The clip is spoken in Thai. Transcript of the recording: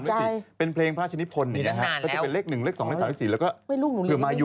แล้วถึง๗ตัวใช่มั้ย